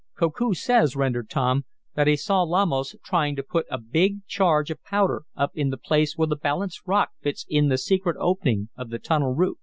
"Koku says," rendered Tom, "that he saw Lamos trying to put a big charge of powder up in the place where the balanced rock fits in the secret opening of the tunnel roof.